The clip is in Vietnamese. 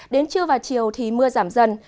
đến trưa và chiều thì mưa giảm dần